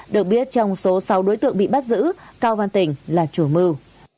được biết trong số sáu đối tượng bị bắt giữ cao văn tình là chủ mưu